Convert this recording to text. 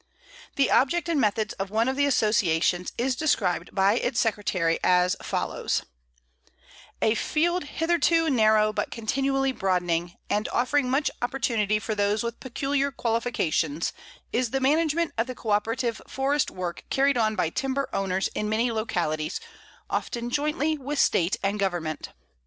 The object and methods of one of the associations is described by its Secretary as follows: "A field hitherto narrow but continually broadening, and offering much opportunity for those with peculiar qualifications, is the management of the coöperative forest work carried on by timber owners in many localities, often jointly with State and Government.